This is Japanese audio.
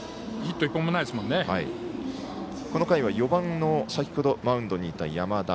この回は４番の先ほどマウンドにいた山田。